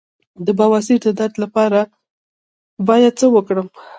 د بواسیر د درد لپاره باید څه وکړم؟